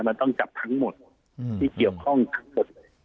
มันต้องจับทั้งหมดที่เกี่ยวกับห้องการสด